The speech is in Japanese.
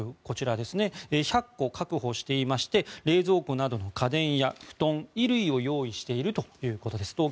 こちらですね１００戸確保していまして冷蔵庫などの家電や布団、衣類を用意しているということです。